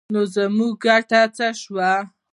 نو زموږ ګټه څه شوه؟